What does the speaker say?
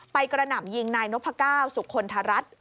กระหน่ำยิงนายนพก้าวสุคลทรัฐ